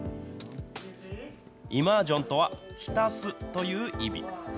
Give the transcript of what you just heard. イマージョンとは、浸すという意味。